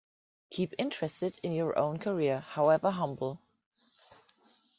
Keep interested in your own career, however humble